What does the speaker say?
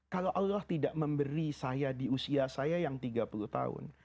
kalau allah tidak memberi saya di usia saya yang tiga puluh tahun